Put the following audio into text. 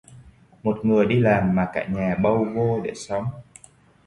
Một người đi làm mà cả nhà bâu vô để sống